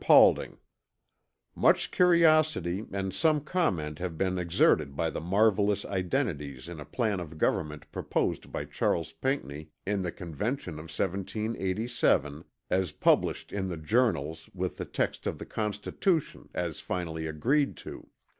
PAULDING" "Much curiosity and some comment have been exerted by the marvellous identities in a plan of Government proposed by Charles Pinckney in the Convention of 1787 as published in the Journals with the text of the Constitution, as finally agreed to.